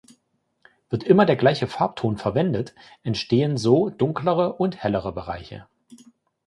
Wird immer der gleiche Farbton verwendet, entstehen so dunklere und hellere Bereiche.